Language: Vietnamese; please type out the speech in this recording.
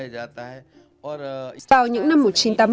vào những năm một nghìn chín trăm tám mươi